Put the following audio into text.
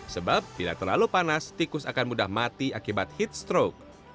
sebab bila terlalu panas tikus akan mudah mati akibat heat stroke